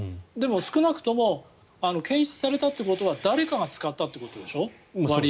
でも、少なくとも検出されたということは誰かが使ったってことでしょう